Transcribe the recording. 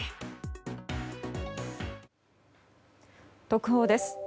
特報です。